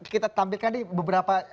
kita tampilkan di beberapa